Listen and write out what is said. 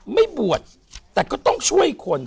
ไม่บวชแต่ก็ต้องช่วยคน